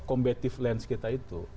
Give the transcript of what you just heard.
kita harus melakukan